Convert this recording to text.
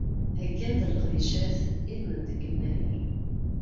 Heggant-d leqdicat i lmend n yennayer.